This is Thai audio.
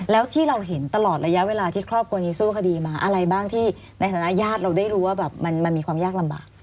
แล้วที่เราเห็นตลอดระยะเวลาที่ครอบครัวนี้สู้คดีมาอะไรบ้างที่ในฐานะญาติเราได้รู้ว่าแบบมันมีความยากลำบาก